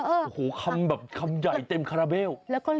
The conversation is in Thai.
โอ้โหคำแบบคำใหญ่เต็มคาราเบล